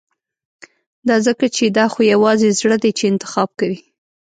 دا ځکه چې دا خو يوازې زړه دی چې انتخاب کوي.